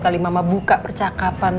anda baru kannan